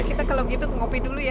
kita kalau begitu kopi dulu ya